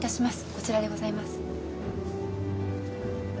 こちらでございます。